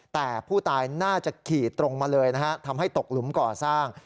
แต่ผู้ตายน่าจะขี่ตรงมาเลยนะฮะทำให้ตกหลุมก่อสร้าง